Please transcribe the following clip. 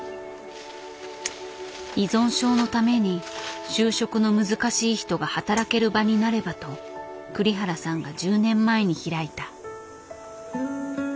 依存症のために就職の難しい人が働ける場になればと栗原さんが１０年前に開いた。